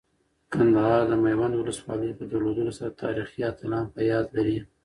کندهار د میوند ولسوالۍ په درلودلو سره تاریخي اتلان په یاد لري.